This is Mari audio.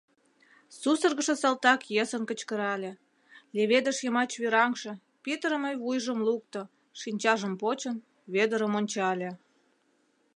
Сусыргышо салтак йӧсын кычкырале, леведыш йымач вӱраҥше, пӱтырымӧ вуйжым лукто, шинчажым почын, Вӧдырым ончале.